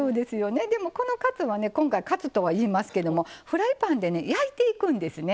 でもこのカツはね今回カツとは言いますけどもフライパンで焼いていくんですね